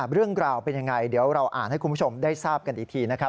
เรื่องราวเป็นยังไงเดี๋ยวเราอ่านให้คุณผู้ชมได้ทราบกันอีกทีนะครับ